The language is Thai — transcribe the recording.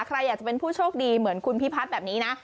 ใครอยากจะเป็นผู้โชคดีเหมือนคุณพิพัฒน์แบบนี้นะ